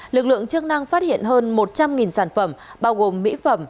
lực lượng chức năng phát hiện hơn một trăm linh sản phẩm bao gồm mỹ phẩm